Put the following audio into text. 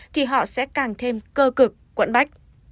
thì họ sẽ càng thêm cơ cực quẫn bách